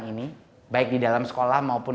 ini baik di dalam sekolah maupun